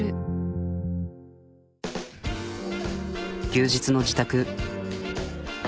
休日の自宅。